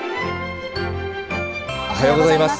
おはようございます。